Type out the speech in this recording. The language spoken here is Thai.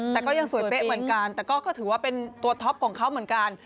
แต่ก็ยังสวยเป๊ะเหมือนกันแต่ก็ถือว่าเป็นตัวท็อปของเขาเหมือนกัน